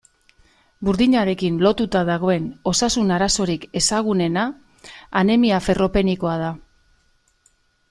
Burdinarekin lotuta dagoen osasun arazorik ezagunena anemia ferropenikoa da.